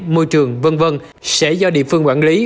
môi trường v v sẽ do địa phương quản lý